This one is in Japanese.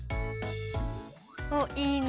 おっいいね。